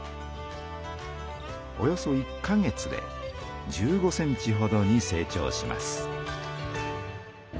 およそ１か月で１５センチほどに成長します。